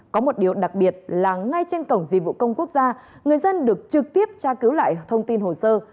có một điều đặc biệt là ngay trên cổng dịch vụ công quốc gia người dân được trực tiếp tra cứu lại thông tin hồ sơ